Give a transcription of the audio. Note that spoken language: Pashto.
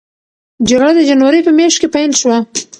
جګړه د جنورۍ په میاشت کې پیل شوه.